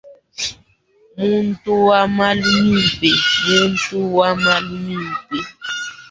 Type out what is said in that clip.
Muntu wa malu mimpe.